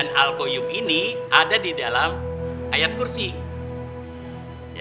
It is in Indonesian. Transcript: sampai jumpa di video selanjutnya